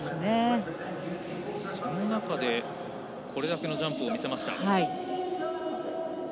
その中でこれだけのジャンプを見せました。